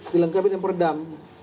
dilengkapi dengan perdam